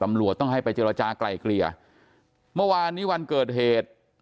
ตำรวจต้องให้ไปเจรจากลายเกลี่ยเมื่อวานนี้วันเกิดเหตุ